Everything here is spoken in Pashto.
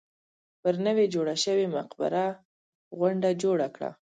پر نوې جوړه شوې مقبره غونډه جوړه کړه.